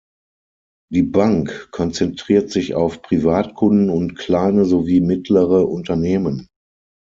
Die Bank konzentriert sich auf Privatkunden und kleine sowie mittlere Unternehmen.